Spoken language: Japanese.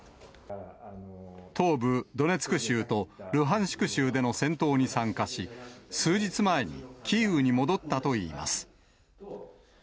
東部ドネツク州とルハンシク州での戦闘に参加し、数日前にキーウに戻ったといいます。